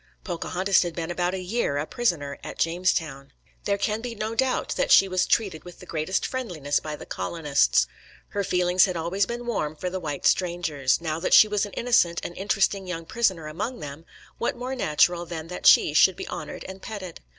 Pocahontas had been about a year a prisoner at Jamestown. There can be no doubt that she was treated with the greatest friendliness by the colonists. Her feelings had always been warm for the white strangers. Now that she was an innocent and interesting young prisoner among them, what more natural than that she should be honoured and petted?